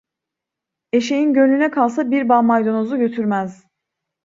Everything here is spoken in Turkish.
Eşeğin gönlüne kalsa bir bağ maydanozu götürmez.